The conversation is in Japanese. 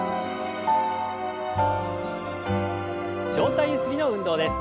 上体ゆすりの運動です。